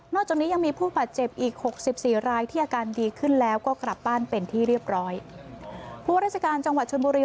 นอกจากนี้ยังมีผู้ปัดเจ็บอีก๖๔รายที่อาการดีขึ้นแล้วก็กลับบ้านเป็นที่เรียบร้อย